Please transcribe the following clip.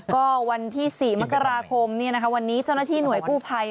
ก็วันที่สี่มกราคมเนี่ยนะคะวันนี้เจ้าหน้าที่หน่วยกู้ภัย